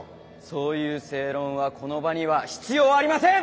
そういう正論はこの場には必要ありません！